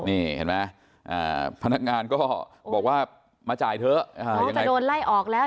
นี่เห็นไหมพนักงานก็บอกว่ามาจ่ายเถอะยังไงโดนไล่ออกแล้ว